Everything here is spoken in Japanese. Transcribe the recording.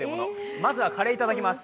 まずはカレーいただきます。